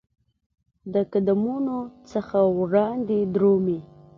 د قدمونو څخه وړاندي درومې